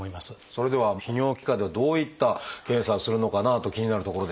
それでは泌尿器科ではどういった検査をするのかなと気になるところですが。